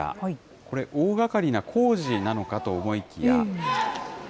これ、大がかりな工事なのかと思いきや。